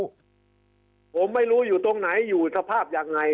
ผมไม่รู้อยู่ตรงไหนอยู่สภาพยังไง